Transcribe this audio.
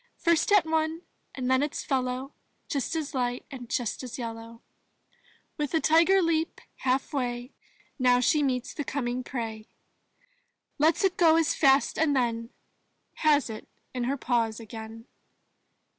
First at one and then its fellow Just as light and just as yellow. ••• With a tiger leap half way Now she meets the coming prey, Lets it go as fast, and then Has it in her paws again.